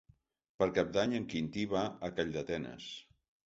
Per Cap d'Any en Quintí va a Calldetenes.